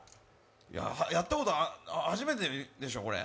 いや、やったこと、初めてでしょう、これ？